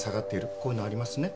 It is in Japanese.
こういうのありますね？